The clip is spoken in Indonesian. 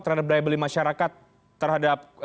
terhadap daya beli masyarakat terhadap